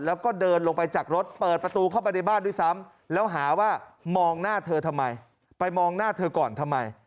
แล้วก็เดินลงไปจากรถเปิดประตูเข้าไปในบ้านด้วยซ้ำแล้วหาว่ามองหน้าเธอทำไมไปมองหน้าเธอก่อนทำไม